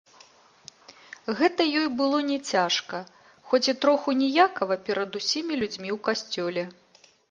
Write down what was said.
Гэта ёй было не цяжка, хоць і троху ніякава перад усімі людзьмі ў касцёле.